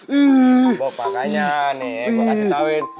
bapaknya nih gue kasih tauin